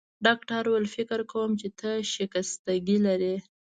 ډاکټر وویل: فکر کوم چي ته شکستګي لرې.